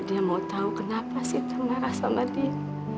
dia mau tau kenapa sita marah sama dia